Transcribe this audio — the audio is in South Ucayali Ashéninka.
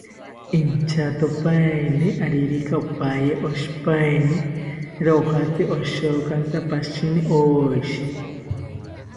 Inchatopaeni aririka oparye oshipaeni, rojatzi oshokanta pashini oshi